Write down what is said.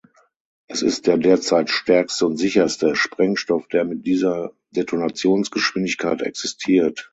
Er ist der derzeit stärkste und sicherste Sprengstoff, der mit dieser Detonationsgeschwindigkeit existiert.